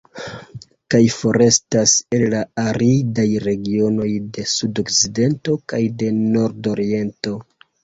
Kaj forestas el la aridaj regionoj de Sudokcidento kaj de Nordoriento.